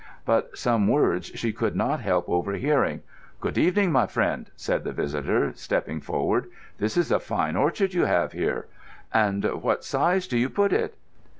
But some words she could not help overhearing. "Good evening, my friend," said the visitor, stepping forward. "This is a fine orchard you have here. At what size do you put it?"